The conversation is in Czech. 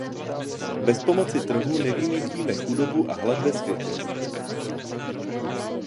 Bez pomoci trhu nevymýtíme chudobu a hlad ve světě.